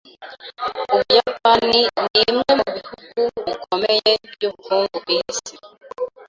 Ubuyapani nimwe mubihugu bikomeye byubukungu kwisi.